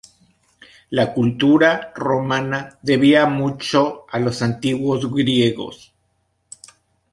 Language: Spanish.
La cultura romana debía mucho a los antiguos griegos.